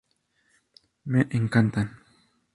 Me encantan".